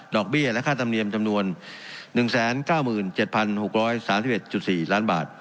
เบี้ยและค่าธรรมเนียมจำนวน๑๙๗๖๓๑๔ล้านบาท